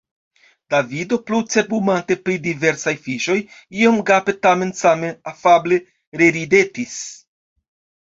Davido, plu cerbumante pri diversaj fiŝoj, iom gape tamen same afable reridetis.